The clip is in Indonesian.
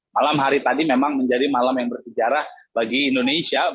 malam hari tadi memang menjadi malam yang bersejarah bagi indonesia